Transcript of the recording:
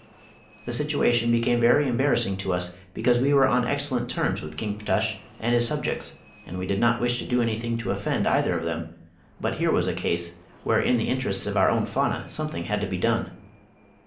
The situation became very embarrassing to us because we were on excellent terms with King Ptush and his subjects, and we did not wish to do anything to offend either of them, but here was a case where in the interests of our own fauna something had to be done.